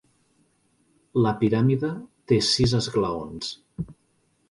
La piràmide té sis esglaons.